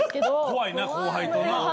怖いな後輩とな。